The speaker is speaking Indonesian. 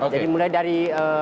jadi mulai dari